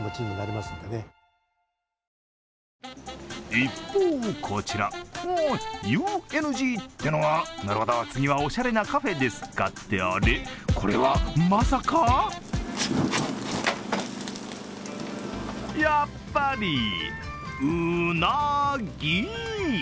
一方、こちらＵＮＧってのは、なるほど次はおしゃれなカフェですかって、これは、まさかやっぱり、う・な・ぎ！